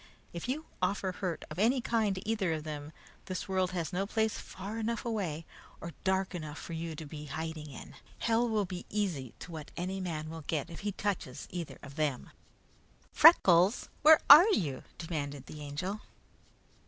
If you offer hurt of any kind to either of them, this world has no place far enough away or dark enough for you to be hiding in. Hell will be easy to what any man will get if he touches either of them!" "Freckles, where are you?" demanded the Angel.